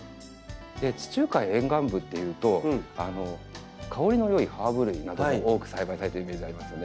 地中海沿岸部っていうと香りの良いハーブ類なども多く栽培されてるイメージありますよね。